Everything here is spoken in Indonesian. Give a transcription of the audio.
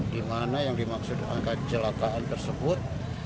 di mana yang dimaksud angka kecelakaan tersebut